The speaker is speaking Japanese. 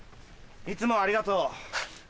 いつもありがとう。